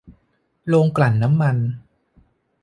โรงกลั่นน้ำมัน